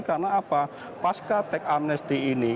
karena apa pasca teks amnesti ini